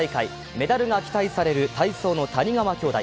メダルが期待される体操の谷川兄弟。